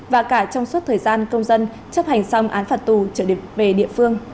và cả trong suốt thời gian công dân chấp hành xong án phạt tù trở về địa phương